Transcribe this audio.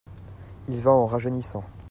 il va en rajeunissant.